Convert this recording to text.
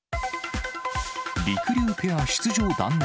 りくりゅうペア出場断念。